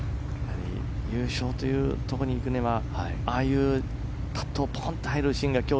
優勝というところに行くにはああいうパットが入るシーンが今日